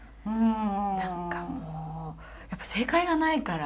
何かもうやっぱ正解がないから。